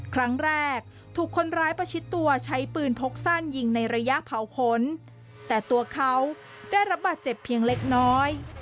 ครั้งแรกถูกคนร้ายประชิดตัวใช้ปืนพกสั้นยิงในระยะเผาขนแต่ตัวเขาได้รับบาดเจ็บเพียงเล็กน้อย